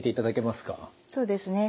そうですね。